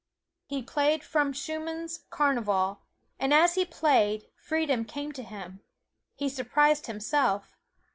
He played from Schumann's "Carnival," and as he played, freedom came to him. He surprised himself.